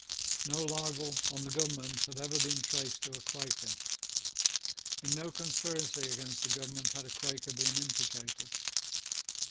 No libel on the government had ever been traced to a Quaker. In no conspiracy against the government had a Quaker been implicated.